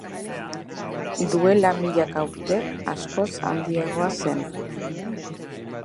Duela milaka urte, askoz handiagoa zen.